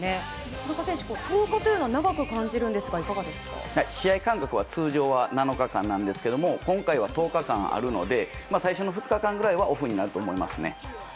田中選手、１０日というのは長く感じるんですが試合間隔は通常７日間なんですが今回は１０日間あるので最初の２日間ぐらいはオフになると思います。